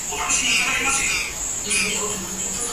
Several members have died and new ones were recruited.